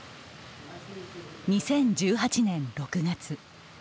２０１８年６月。